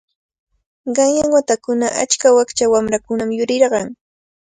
Qanyan watakunakuna achka wakcha wamrakunami yurirqan.